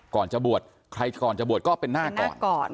ก่อนจะบวชใครก่อนจะบวชก็เป็นหน้าก่อน